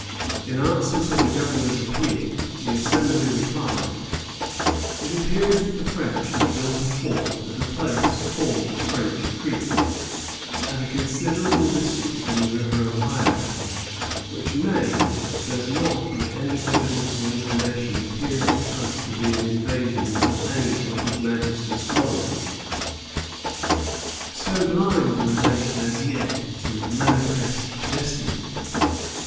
In answer to the Governor's appeal, the Assembly replied: "It appears that the French have built a fort at a place called French Creek, at a considerable distance from the River Ohio, which may, but does not by any evidence or information appear to us to be an invasion of any of His Majesty's colonies." So blind were they as yet to "manifest destiny!"